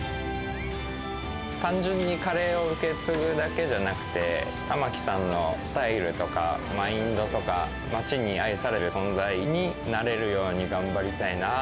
単純にカレーを受け継ぐだけじゃなくて、環さんのスタイルとかマインドとか、町に愛される存在になれるように頑張りたいな。